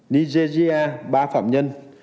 nigeria ba phạm nhân